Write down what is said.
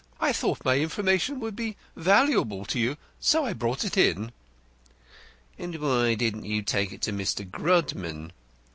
I thought my information would be valuable to you, and I brought it." "And why didn't you take it to Mr. Grodman?"